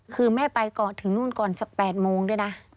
คือแม่ไปก่อนถึงนู่นก่อนสัก๘โมงด้วยนะ